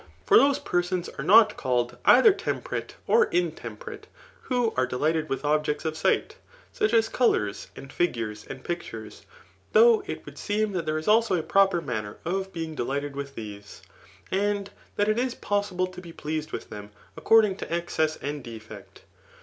Fcht those persons Digitized by Google 108 THE NICOMACHEAN ' BOOK HI* are not called either temperate or intemperate who are deBghted with objects of sight, such as colours, and figurei^ and pictures ; though it would seem that there b also a proper manner of being delighted with these, and that it is possible to be pleased with them according to excess and defect.